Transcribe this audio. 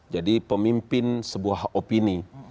jadi pemimpin sebuah opini